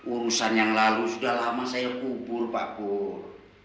urusan yang lalu sudah lama saya kubur pak kur